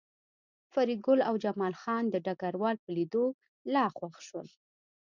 فریدګل او جمال خان د ډګروال په لیدو لا خوښ شول